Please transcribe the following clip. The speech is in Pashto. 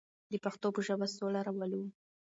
د پښتو په ژبه سوله راولو.